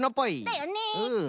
だよね。